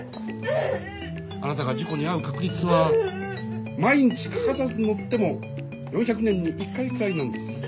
あなたが事故に遭う確率は毎日欠かさず乗っても４００年に１回くらいなんです。